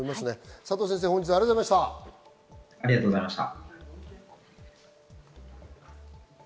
佐藤先生、ありがとうございました。